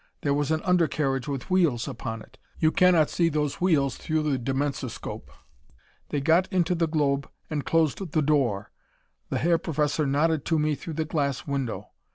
There was an under carriage with wheels upon it. You cannot see those wheels through the dimensoscope. They got into the globe and closed the door. The Herr Professor nodded to me through the glass window.